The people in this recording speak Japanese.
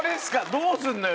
どうするのよ？